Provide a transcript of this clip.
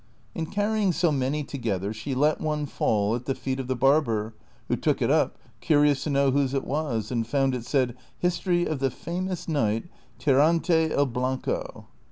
In carrying so many together she let one fall at the feet of the barber, who took it up, curious to know whose it was, and found it said, " History of the Famous Knight, Tirante el Blanco."